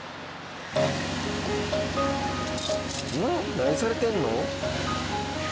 何されてるの？